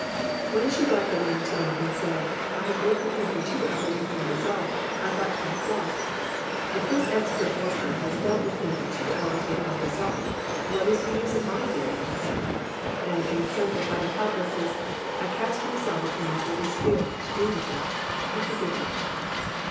When she brought the man to me and said, "I have worked with him for two hours with no result," I thought to myself, "If this expert worker has dealt with him for two hours with no result, what is the use of my dealing with him?" and in a sense of utter helplessness I cast myself upon the Holy Spirit to do the work and He did it.